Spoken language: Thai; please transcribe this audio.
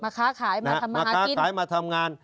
มาค้าขายมาทำมาหากินมาค้าขายมาทำงาน